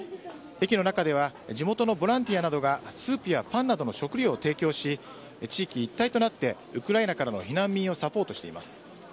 駅の中では地元のボランティアなどがスープやパンなどの食料を提供し地域一体となってウクライナからの避難民をサポートしています。